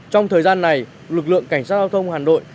trong thời gian này lực lượng cảnh sát giao thông hàn đội